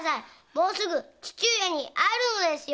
もうすぐ父上に会えるのですよ。